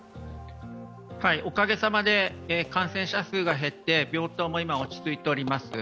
おかげさまで感染者数が減って病棟も今、落ち着いております。